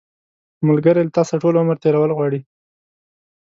ملګری له تا سره ټول عمر تېرول غواړي